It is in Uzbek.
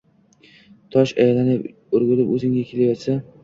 tosh aylanib o‘rgulib o‘zingga kelayotsa